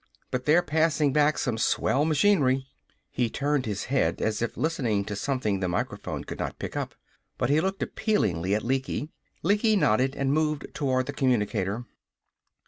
But they're passin' back some swell machinery " He turned his head as if listening to something the microphone could not pick up. But he looked appealingly at Lecky. Lecky nodded and moved toward the communicator.